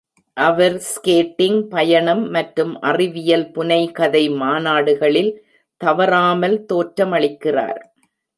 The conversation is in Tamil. அவர் ஸ்கேட்டிங், பயணம் மற்றும் அறிவியல் புனைகதை மாநாடுகளில் தவறாமல் தோற்றமளிக்கிறார்.